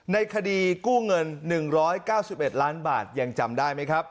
ในคดีกู้เงิน๑๙๑ล้านบาทยังจำได้ไหมครับ